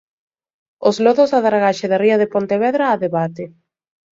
'Os lodos da dragaxe da ría de Pontevedra, a debate'.